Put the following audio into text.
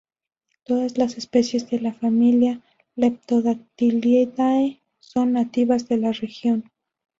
Todas las especies de la familia "Leptodactylidae" son nativas de la región.